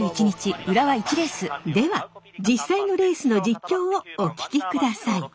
では実際のレースの実況をお聞きください。